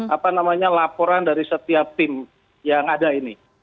apa namanya laporan dari setiap tim yang ada ini